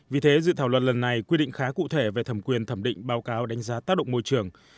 vì thế dự thảo luật lần này quy định khá cụ thể về thẩm quyền thẩm định báo cáo đánh giá tác động môi trường